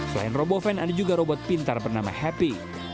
selain roboven ada juga robot pintar bernama happy